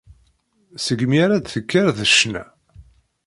Seg mi ara ad d-tekker d ccna.